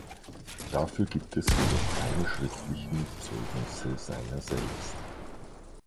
Dafür gibt es jedoch keine schriftlichen Zeugnisse seiner selbst.